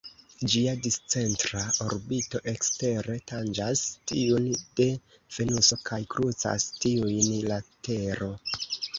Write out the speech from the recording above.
Ĝia discentra orbito ekstere tanĝas tiun de Venuso kaj krucas tiujn la Tero.